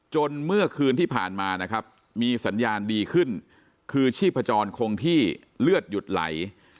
เมื่อคืนที่ผ่านมานะครับมีสัญญาณดีขึ้นคือชีพจรคงที่เลือดหยุดไหล